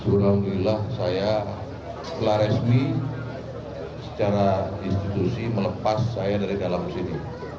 alhamdulillah saya setelah resmi secara institusi melepas saya dari dalam sini